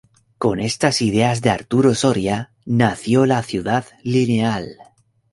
Con estas ideas de Arturo Soria nació la Ciudad Lineal.